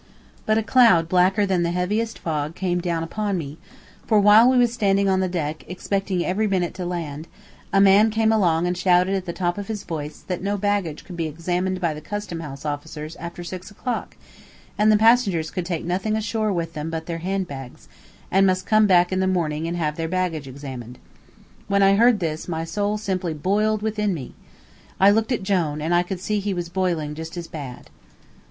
But a cloud blacker than the heaviest fog came down upon me, for while we was standing on the deck, expecting every minute to land, a man came along and shouted at the top of his voice that no baggage could be examined by the custom house officers after six o'clock, and the passengers could take nothing ashore with them but their hand bags, and must come back in the morning and have their baggage examined. When I heard this my soul simply boiled within me! I looked at Jone, and I could see he was boiling just as bad.